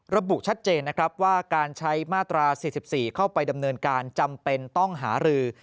ระบุชัดเจนนะครับว่าการใช้มาตรา๔๔เข้าไปดำเนินการจำเป็นต้องหารือ